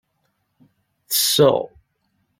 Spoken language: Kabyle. Tesseɣ.